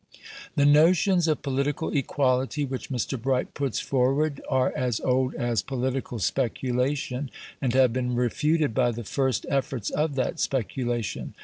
The notions of political equality which Mr. Bright puts forward are as old as political speculation, and have been refuted by the first efforts of that speculation.